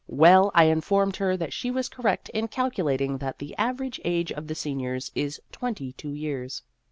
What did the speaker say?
Well, I informed her that she was correct in calculating that the average age of the seniors is twenty two years.